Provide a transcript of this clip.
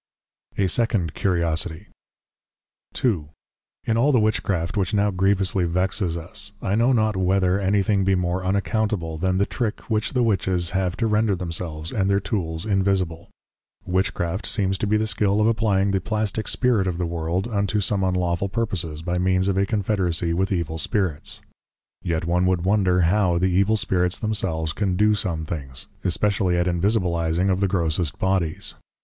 A SECOND CURIOSITIE. II. In all the Witchcraft which now Grievously Vexes us, I know not whether anything be more Unaccountable, than the Trick which the Witches have to render themselves, and their Tools Invisible. Witchcraft seems to be the Skill of Applying the Plastic Spirit of the World, unto some unlawful purposes, by means of a Confederacy with Evil Spirits. Yet one would wonder how the Evil Spirits themselves can do some things; especially at Invisibilizing of the Grossest Bodies.